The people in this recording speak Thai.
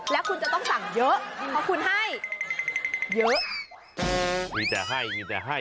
แล้วคุณจะต้องสั่งเยอะเพราะคุณให้เยอะ